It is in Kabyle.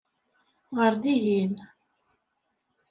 Ɣer dihin!